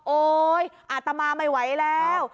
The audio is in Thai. โอ๊ยอาตมาไม่ไหวแล้ว